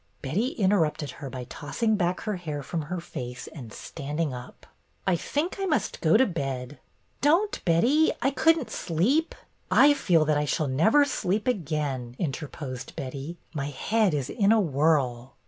Betty interrupted her by tossing back her hair from her face and standing up. " I think I must go to bed." " Don't, Betty. I could n't sleep —" I feel that I shall never sleep again," inter posed Betty. " My head is in a whirl."